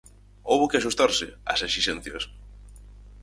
Houbo que axustarse ás esixencias.